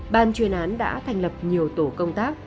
ban chuyên án đã thành lập nhiều tổ công tác